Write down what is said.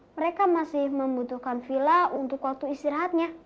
mereka masih membutuhkan villa untuk waktu istirahatnya